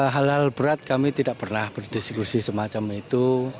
hal hal berat kami tidak pernah berdiskusi semacam itu